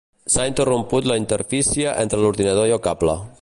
S'ha interromput la interfície entre l'ordinador i el cable.